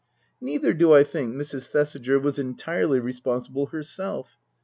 Neither do I think Mrs. Thesiger was entirely responsible herself.